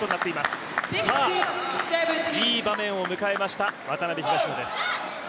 いい場面を迎えました、渡辺・東野です。